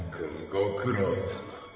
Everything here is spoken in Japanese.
ご苦労さま。